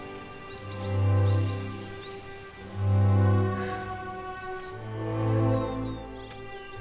はあ。